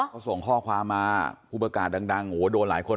เขาส่งข้อความมาผู้ประกาศดังโอ้โหโดนหลายคน